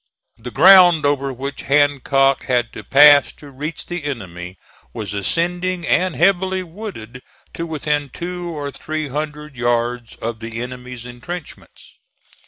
The ground over which Hancock had to pass to reach the enemy, was ascending and heavily wooded to within two or three hundred yards of the enemy's intrenchments.